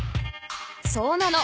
そうなの。